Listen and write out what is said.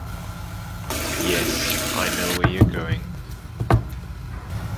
Yes, I know where you’re going.